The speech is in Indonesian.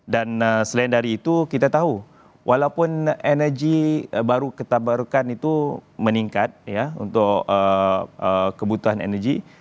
dan selain dari itu kita tahu walaupun energi baru ketabarukan itu meningkat untuk kebutuhan energi